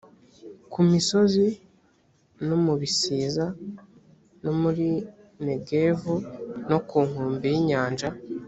ku misozi, no mu bisiza, no muri negevu no ku nkombe y’inyanja,